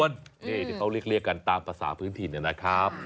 นี่ที่เขาเรียกกันตามภาษาพื้นถิ่นนะครับ